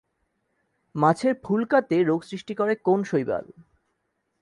মাছের ফুলকাতে রোগ সৃষ্টি করে কোন শৈবাল?